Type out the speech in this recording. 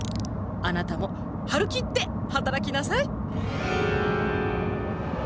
あなたも「はるきって」働きなさい。